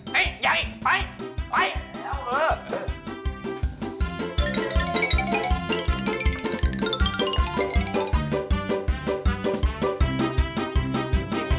เฮ่ยอย่าอีกไปไป